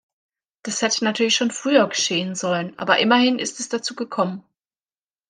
Das hätte natürlich schon früher geschehen sollen, aber immerhin ist es dazu gekommen.